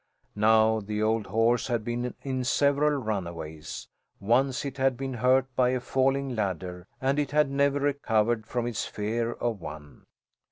Now the old horse had been in several runaways. Once it had been hurt by a falling ladder, and it had never recovered from its fear of one.